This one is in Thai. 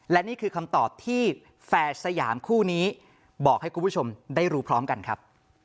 และนี่คือคำตอบที่แฝดสยามคู่นี้บอกให้คุณผู้ชมได้รู้พร้อมกันครับ